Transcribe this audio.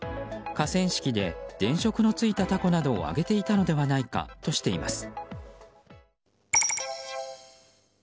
河川敷で電飾のついた、たこなどを揚げていたのではないかとしています。